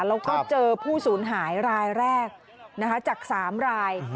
แล้วก็เจอผู้สูญหายรายแรกจาก๓ราย